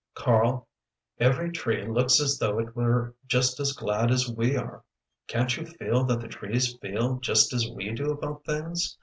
"Karl every tree looks as though it were just as glad as we are! Can't you feel that the trees feel just as we do about things?